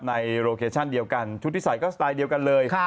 โลเคชั่นเดียวกันชุดที่ใส่ก็สไตล์เดียวกันเลย